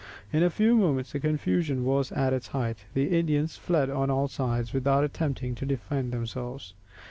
In a few moments the confusion was at its height. The Indians fled on all sides, without attempting to defend themselves.